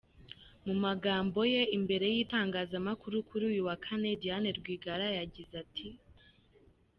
Mu magambo ye, imbere y’itangazamakuru kuri uyu wa kane, Diane Rwigara yagize ati: